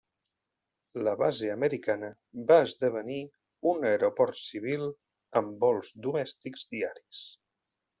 La base americana va esdevenir un aeroport civil amb vols domèstics diaris.